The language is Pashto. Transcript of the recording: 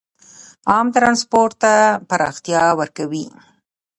عام ټرانسپورټ ته پراختیا ورکوي.